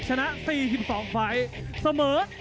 จังไข้มวยเสมอที่เดือดเล่าใจแฟนมวยแล้วครับวันนั้น